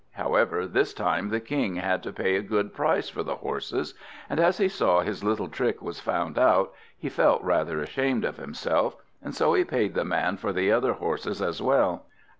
However, this time the King had to pay a good price for the horses, and as he saw his little trick was found out, he felt rather ashamed of himself, and so he paid the man for the other horses as well.